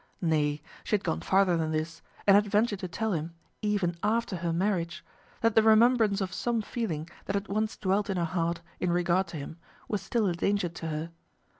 Nay; she had gone farther than this, and had ventured to tell him, even after her marriage, that the remembrance of some feeling that had once dwelt in her heart in regard to him was still a danger to her.